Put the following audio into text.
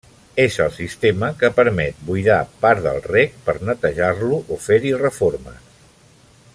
És el sistema que permet buidar part del rec per netejar-lo o fer-hi reformes.